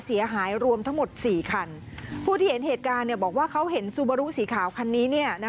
เสียหายรวมทั้งหมดสี่คันผู้ที่เห็นเหตุการณ์เนี่ยบอกว่าเขาเห็นซูบารุสีขาวคันนี้เนี่ย